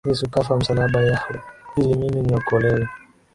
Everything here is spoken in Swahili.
Yesu kafa msalaba yahwe ili mimi niokolewe